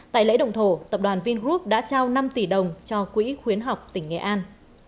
tại lễ động thổ tập đoàn vingroup đã trao năm tỷ đồng cho quỹ khuyến học tỉnh nghệ an